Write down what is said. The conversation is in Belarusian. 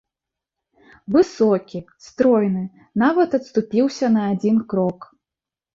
Высокі, стройны нават адступіўся на адзін крок.